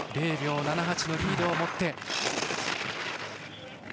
０秒７８のリードを持って。